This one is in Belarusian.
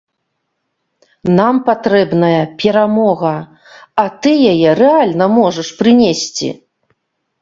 Нам патрэбная перамога, а ты яе рэальна можаш прынесці.